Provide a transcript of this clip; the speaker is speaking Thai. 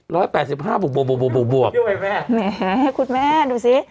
แปดสิบห้าบวกบวกบวกบวกบวกด้วยแม่แหมให้คุณแม่ดูสิ